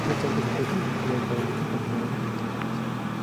No obstante, los proyectos de energía hidráulica continuaron ejecutándose.